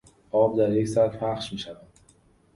آب در یک سطح پخش میشود.